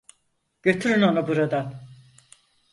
Götürün onu buradan!